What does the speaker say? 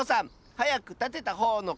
はやくたてたほうのかちだよ！